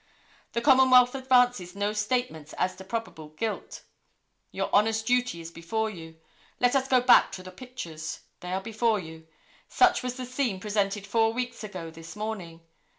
The Commonwealth advances no statements as to probable guilt. Your Honor's duty is before you. Let us go back to the pictures. They are before you. Such was the scene presented four weeks ago this morning.